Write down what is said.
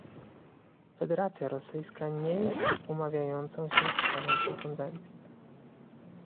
Federacja Rosyjska nie jest umawiającą się stroną tej konwencji